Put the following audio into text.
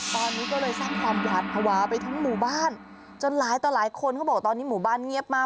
ตอนนี้ก็เลยสร้างความหวาดภาวะไปทั้งหมู่บ้านจนหลายต่อหลายคนเขาบอกตอนนี้หมู่บ้านเงียบมาก